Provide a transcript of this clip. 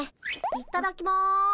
いただきます。